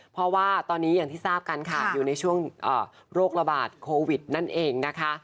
เพราะว่าตอนนี้อย่างที่ทราบกันค่ะอยู่ในช่วงโรคระบาดโควิดนั่นเองนะคะ